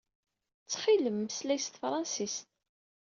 Ttkil-m meslay s tefṛansist.